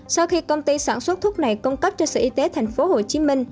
sau khi công ty sản xuất thuốc này cung cấp cho sở y tế tp hcm